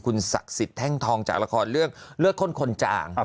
คุณศักดิ์สิทธิ์แท่งทองจากละครเรื่องเลือดข้นคนจ่าง